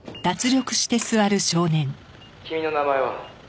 「君の名前は？」